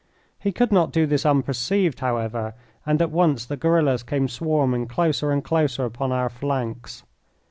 He could not do this unperceived, however, and at once the guerillas came swarming closer and closer upon our flanks.